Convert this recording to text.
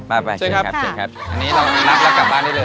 อันนี้เรากำลับทดลองแล้วกลับบ้านได้เลย